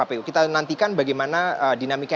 apakah ketua kpu hashim ashari akan digantikan